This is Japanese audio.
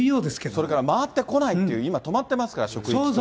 それから回ってこないという、今、止まってますから、職域とか。